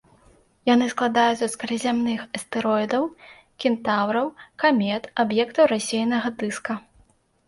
Яны складаюцца з калязямных астэроідаў, кентаўраў, камет, аб'ектаў рассеянага дыска.